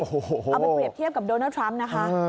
เอาไปเปรียบเทียบกับโดนัลดทรัมป์นะคะ